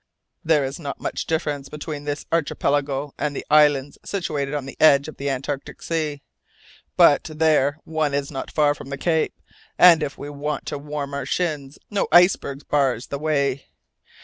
There is not much difference between this archipelago and the islands situated on the edge of the Antarctic Sea! But there one is not far from the Cape, and if we want to warm our shins, no iceberg bars the way.